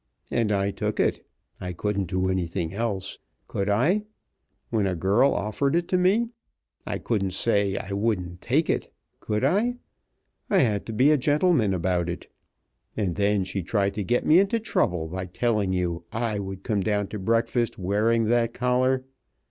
And I took it. I couldn't do anything else, could I, when a girl offered it to me? I couldn't say I wouldn't take it, could I? I had to be a gentleman about it. And then she tried to get me into trouble by telling you I would come down to breakfast wearing that collar.